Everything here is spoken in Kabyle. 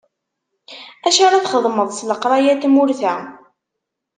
Acu ara txedmeḍ s leqraya n tmurt-a?